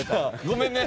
ごめんね！